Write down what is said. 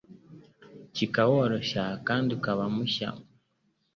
kikaworoshya kandi ukaba mushya? …